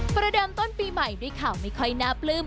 ประเดิมต้นปีใหม่ด้วยข่าวไม่ค่อยน่าปลื้ม